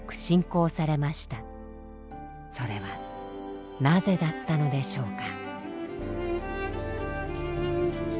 それはなぜだったのでしょうか。